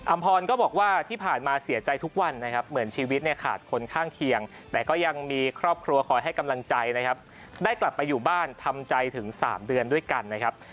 พรก็บอกว่าที่ผ่านมาเสียใจทุกวันนะครับเหมือนชีวิตเนี่ยขาดคนข้างเคียงแต่ก็ยังมีครอบครัวคอยให้กำลังใจนะครับได้กลับไปอยู่บ้านทำใจถึง๓เดือนด้วยกันนะครับ